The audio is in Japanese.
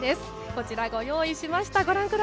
こちら、ご用意しました。